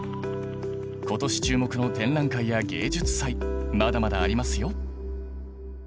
今年注目の展覧会や芸術祭まだまだありますよ。